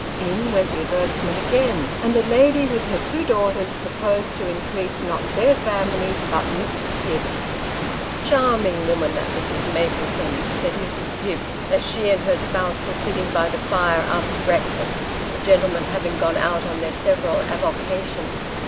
In went the advertisement again, and a lady with her two daughters, proposed to increase not their families, but Mrs. Tibbs's. " Charming woman, that Mrs. Maplesone !" said Mrs. Tibbs, as she and her spouse were sitting by the fire after breakfast ; the gentlemen having gone out on their several avocations.